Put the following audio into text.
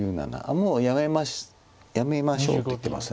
もうやめましょうって言ってます。